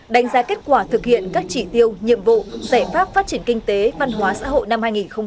đánh giá kết quả thực hiện các chỉ tiêu nhiệm vụ giải pháp phát triển kinh tế văn hóa xã hội năm hai nghìn hai mươi